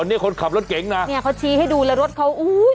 พอเนี้ยคนขับรถเก่งน่ะเนี้ยเขาชี้ให้ดูแล้วรถเขาอูย